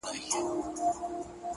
اې تاته وايم دغه ستا تر سترگو بـد ايسو؛